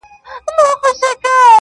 هغې ويله ځمه د سنگسار مخه يې نيسم.